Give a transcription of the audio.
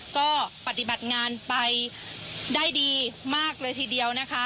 ก็ปฏิบัติงานไปได้ดีมากเลยทีเดียวนะคะ